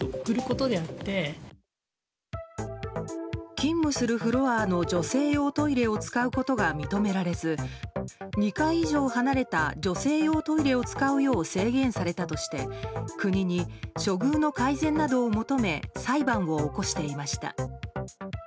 勤務するフロアの女性用トイレを使うことが認められず２階以上離れた女性用トイレを使うよう制限されたなどとして国に、処遇の改善などを求め裁判を起こしていました。